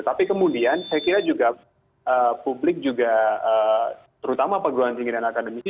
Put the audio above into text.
tapi kemudian saya kira juga publik juga terutama perguruan tinggi dan akademisi